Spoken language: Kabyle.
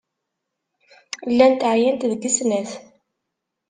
Llant ɛyant deg snat.